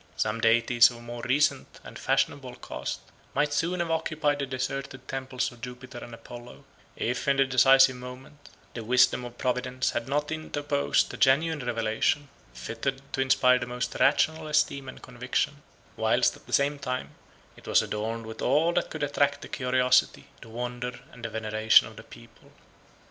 Some deities of a more recent and fashionable cast might soon have occupied the deserted temples of Jupiter and Apollo, if, in the decisive moment, the wisdom of Providence had not interposed a genuine revelation, fitted to inspire the most rational esteem and conviction, whilst, at the same time, it was adorned with all that could attract the curiosity, the wonder, and the veneration of the people.